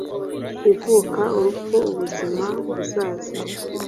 ivuka, urupfu, ubuzima buzaza